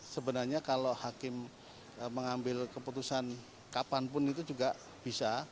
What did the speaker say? sebenarnya kalau hakim mengambil keputusan kapanpun itu juga bisa